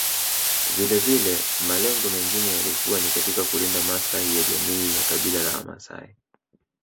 Vilevile malengo mengine yalikuwa ni katika kulinda maslahi ya jamii ya kabila la wamaasai